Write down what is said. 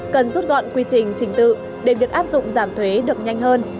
cần rút gọn quy trình trình tự để việc áp dụng giảm thuế được nhanh hơn